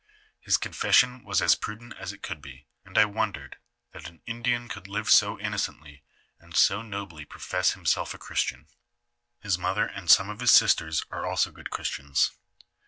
His confession was as prudent 68 it could be, and I won dered that an Indian could live so innocently, and so nobly profess himself a Christian. His mother and some of his sisters are also good Christians.